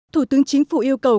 thủ tướng chính phủ yêu cầu